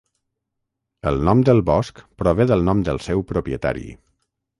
El nom del bosc prové del nom del seu propietari.